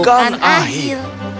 itu bukan akhir